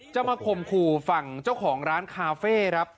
จะมาคมขู่ฝั่งเจ้าของร้านคาเฟ่